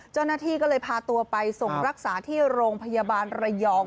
เจ้าหน้าที่ก็เลยพาตัวไปส่งรักษาที่โรงพยาบาลระยอง